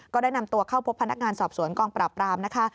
ก็ได้นำตัวเข้าพบพนักงานสอบสวนกองปราบรามนะคะ